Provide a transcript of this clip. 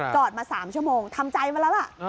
อดมา๓ชั่วโมงทำใจมาแล้วล่ะ